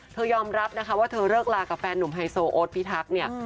ยอมรับนะคะว่าเธอเลิกลากับแฟนหนุ่มไฮโซโอ๊ตพิทักษ์เนี่ย